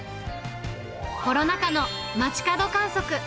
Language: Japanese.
コロナ禍の街角観測。